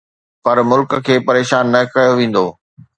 پر ملڪ کي پريشان نه ڪيو ويندو.